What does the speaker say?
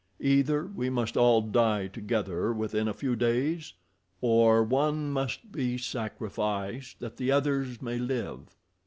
Either we must all die together within a few days, or one must be sacrificed that the others may live.